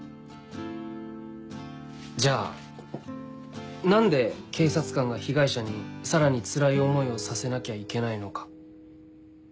じゃあ何で警察官が被害者にさらにつらい思いをさせなきゃいけないのか。